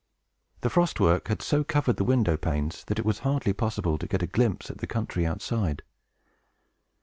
The frost work had so covered the window panes that it was hardly possible to get a glimpse at the scenery outside.